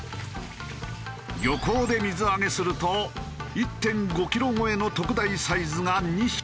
漁港で水揚げすると１．５キロ超えの特大サイズが２匹。